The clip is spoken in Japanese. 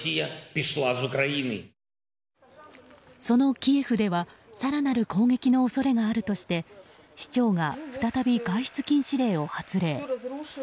そのキエフでは更なる攻撃の恐れがあるとして市長が再び、外出禁止令を発令。